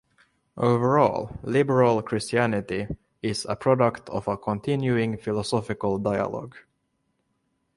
Overall, liberal Christianity is a product of a continuing philosophical dialogue.